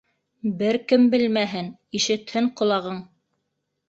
Бер кем белмәһен - ишетһен ҡолағың!